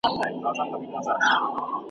کرنه د کار زمینه برابروي.